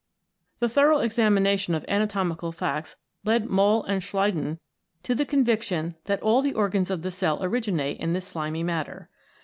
The thorough examination of anatomical facts led Mohl and Schleiden to the conviction that all the organs of the cell originate in this slimy matter.